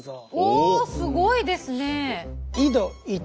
すごいですね！